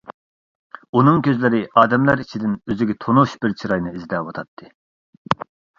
ئۇنىڭ كۆزلىرى ئادەملەر ئىچىدىن ئۆزىگە تونۇش بىر چىراينى ئىزدەۋاتاتتى.